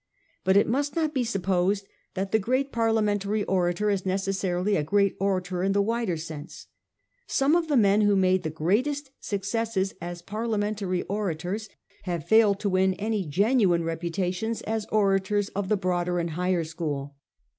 But it must not be supposed that the great Parliamentary orator is necessarily a great orator in the wider sense. Some of the men who made the greatest successes as Parliamentary orators have failed to win any genuine reputations as orators of the broader and higher school.